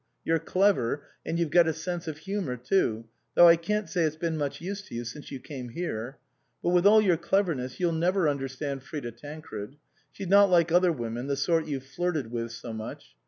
You're clever, and you've got a sense of humour, too, though I can't say it's been much use to you since you came here. But with all your cleverness you'll never under stand Frida Tancred. She's not like other women, the sort you've flirted with so much.